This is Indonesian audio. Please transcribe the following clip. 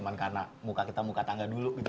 muka kita muka tangga dulu